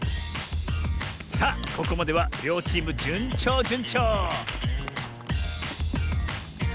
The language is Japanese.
さあここまではりょうチームじゅんちょうじゅんちょう！